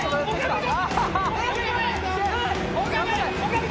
岡部！